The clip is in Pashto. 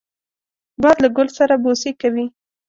باد له ګل سره بوسې کوي